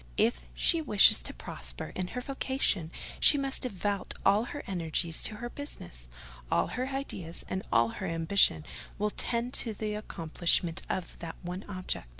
If she wishes to prosper in her vocation she must devote all her energies to her business: all her ideas and all her ambition will tend to the accomplishment of that one object.